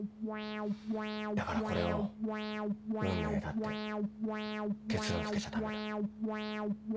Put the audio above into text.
だからこれを運命だって結論づけちゃダメだ。